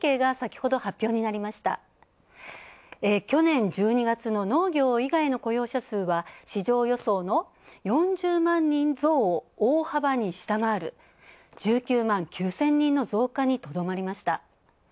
去年１２月の農業以外の雇用者数は、市場予想の４０万人増を大幅に下回る１９万９０００人の増加にとどまりました。